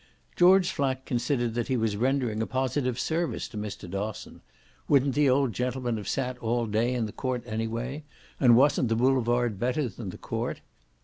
George Flack considered that he was rendering a positive service to Mr. Dosson: wouldn't the old gentleman have sat all day in the court anyway? and wasn't the boulevard better than the court?